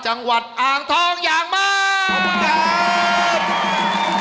จังหวัดอ่างทองอย่างมาก